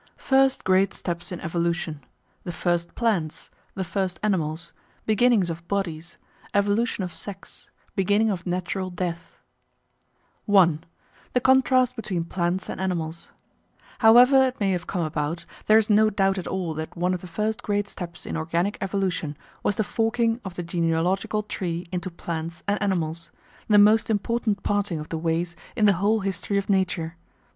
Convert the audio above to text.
FIRST GREAT STEPS IN EVOLUTION THE FIRST PLANTS THE FIRST ANIMALS BEGINNINGS OF BODIES EVOLUTION OF SEX BEGINNING OF NATURAL DEATH § 1 The Contrast between Plants and Animals However it may have come about, there is no doubt at all that one of the first great steps in Organic Evolution was the forking of the genealogical tree into Plants and Animals the most important parting of the ways in the whole history of Nature.